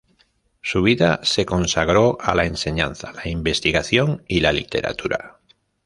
Su vida se consagró a la enseñanza, la investigación y la literatura.